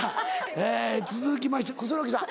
え続きまして楠木さん。